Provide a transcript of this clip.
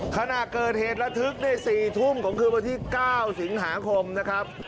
ขณะเกิดเหตุระทึกใน๔ทุ่มของคืนวันที่๙สิงหาคมนะครับ